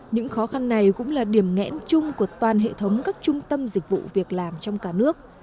những khó khăn này cũng là điểm nghẽn chung của toàn hệ thống các trung tâm dịch vụ việc làm trong cả nước